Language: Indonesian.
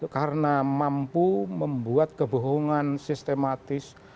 karena mampu membuat kebohongan sistematis